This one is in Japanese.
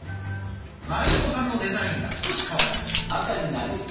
丸いボタンのデザインが少し変わります。